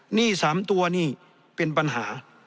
หนี้๓ตัวนี่เป็นปัญหา